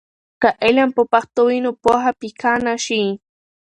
که علم په پښتو وي، نو پوهه پیکه نه شي.